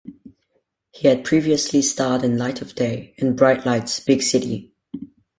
He had previously starred in "Light of Day" and "Bright Lights, Big City".